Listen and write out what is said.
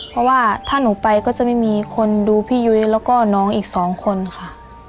เพราะว่าถ้าหนูไปก็จะไม่มีคนดูพี่ยุ้ยแล้วก็น้องอีกสองคนค่ะ